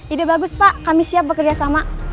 ide bagus pak kami siap bekerja sama